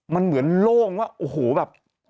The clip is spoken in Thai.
มันเหมือนโล่งว่าโอ้โหแบบ